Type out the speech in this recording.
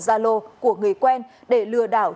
gia lô của người quen để lừa đảo